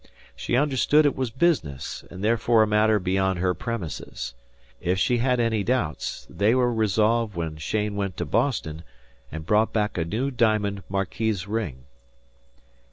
She understood it was business, and therefore a matter beyond her premises. If she had any doubts, they were resolved when Cheyne went to Boston and brought back a new diamond marquise ring.